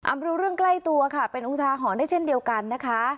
เอามาดูเรื่องใกล้ตัวค่ะเป็นอุทาหรณ์ได้เช่นเดียวกันนะคะ